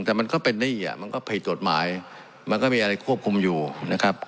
แต่มันก็เป็นหนี้อ่ะมันก็ผิดกฎหมายมันก็มีอะไรควบคุมอยู่นะครับ